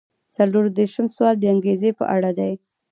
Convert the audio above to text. څلور دېرشم سوال د انګیزې په اړه دی.